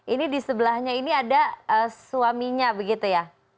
ini di sebelahnya ini ada suaminya begitu ya